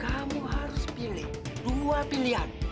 kamu harus pilih dua pilihan